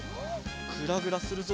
グラグラするぞ。